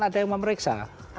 ada yang memeriksa